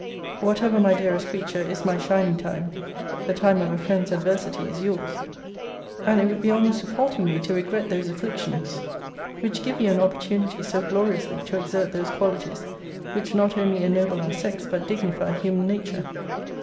Whatever, my dearest creature, is my shining time, the time of a friend's adversity is yours. And it would be almost a fault in me to regret those afflictions, which give you an opportunity so gloriously to exert those qualities, which not only ennoble our sex, but dignify human nature.